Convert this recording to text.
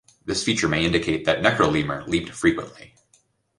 This feature may indicate that "Necrolemur" leaped frequently.